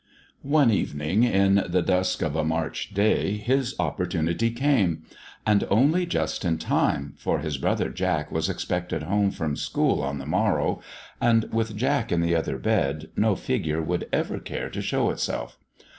One evening, in the dusk of a March day, his opportunity came; and only just in time, for his brother Jack was expected home from school on the morrow, and with Jack in the other bed, no Figure would ever care to show itself.